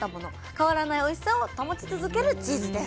変わらないおいしさを保ち続けるチーズです。